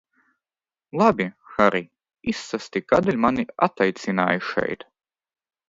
Labi, Harij, izstāsti kādēļ mani ataicināji šeit?